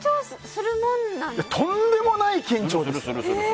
とんでもない緊張ですよ！